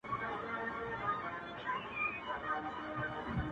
ستا به له سترگو دومره لرې سم چي حد يې نه وي,